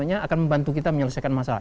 yang akan membantu kita menyelesaikan masalah